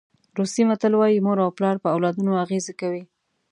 روسي متل وایي مور او پلار په اولادونو اغېزه کوي.